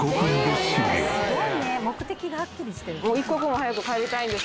すごいね目的がハッキリしてる。